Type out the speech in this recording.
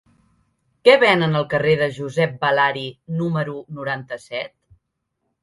Què venen al carrer de Josep Balari número noranta-set?